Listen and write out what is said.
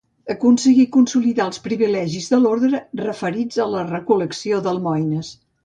Aconseguí consolidar els privilegis de l'orde referits a la recol·lecció d'almoines.